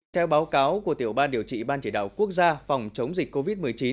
theo báo cáo của tiểu ban điều trị ban chỉ đạo quốc gia phòng chống dịch covid một mươi chín